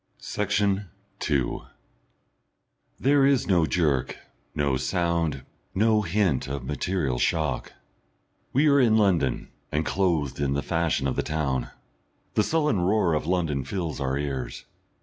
Section 2 There is no jerk, no sound, no hint of material shock. We are in London, and clothed in the fashion of the town. The sullen roar of London fills our ears....